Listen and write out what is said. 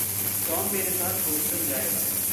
Tom मेरे साथ Boston जाएगा।